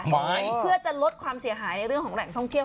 ไว้เพื่อจะลดความเสียหายในเรื่องของแหล่งท่องเที่ยว